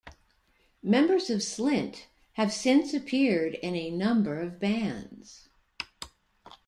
Members of Slint have since appeared in a number of bands.